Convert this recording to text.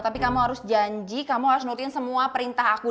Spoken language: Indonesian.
tapi kamu harus janji kamu harus nurutin semua perintah aku